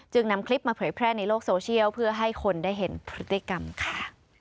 นำคลิปมาเผยแพร่ในโลกโซเชียลเพื่อให้คนได้เห็นพฤติกรรมค่ะ